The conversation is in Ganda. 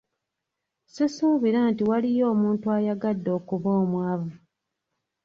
Sisuubira nti waliyo omuntu ayagadde okuba omwavu.